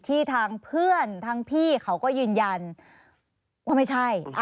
ที่ทางเพื่อนทางพี่เขาก็ยืนยันว่าไม่ใช่